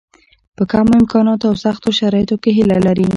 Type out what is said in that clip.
په کمو امکاناتو او سختو شرایطو کې هیله لري.